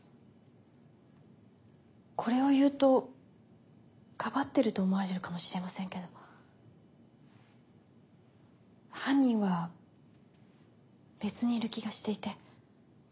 これを言うとかばってると思われるかもしれませんけど犯人は別にいる気がしていて。